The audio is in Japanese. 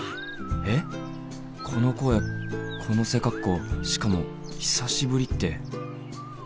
えっこの声この背格好しかも「久しぶり」ってこれがケン？